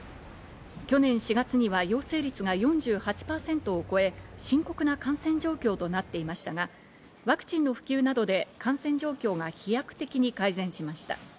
去年４月には陽性率が４８％を超え、深刻な感染状況となっていましたが、ワクチンの普及などで感染状況が飛躍的に改善しました。